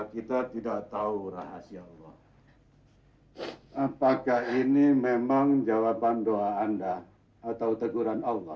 kita tidak tahu rahasia allah apakah ini memang jawaban doa anda atau teguran allah